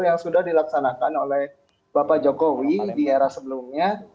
yang sudah dilaksanakan oleh bapak jokowi di era sebelumnya